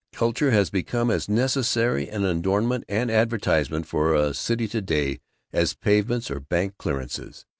Culture has become as necessary an adornment and advertisement for a city to day as pavements or bank clearances.